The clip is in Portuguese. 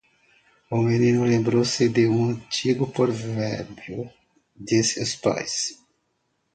O menino lembrou-se de um antigo provérbio de seu país.